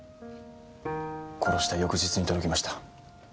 殺した翌日に届きました。